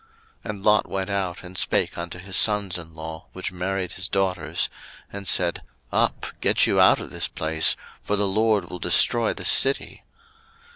01:019:014 And Lot went out, and spake unto his sons in law, which married his daughters, and said, Up, get you out of this place; for the LORD will destroy this city.